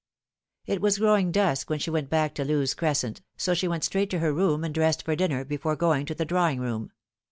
It was growing dusk when she went back to Lewes Crescent, so she went straight to her room and dressed for dinner before going to the drawing room.